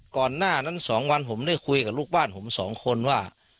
ก่อนหน้านั้น๒วันผมได้คุยกับลูกบ้านผมสองคนว่า